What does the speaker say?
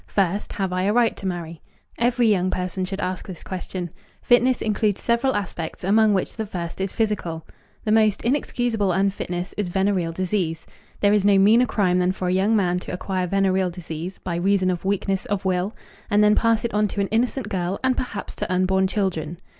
First, "Have I a right to marry?" Every young person should ask this question. Fitness includes several aspects, among which the first is physical. The most inexcusable unfitness is venereal disease. There is no meaner crime than for a young man to acquire venereal disease by reason of weakness of will, and then pass it on to an innocent girl and perhaps to unborn children.